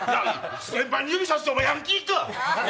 先輩に指さして、お前、ヤンキーか！